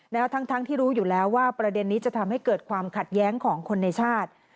ทั้งทั้งที่รู้อยู่แล้วว่าประเด็นนี้จะทำให้เกิดความขัดแย้งของคนในชาติ